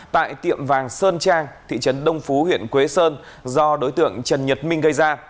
tại tiệm vàng sơn trang thị trấn đông phú huyện quế sơn do đối tượng trần nhật minh gây ra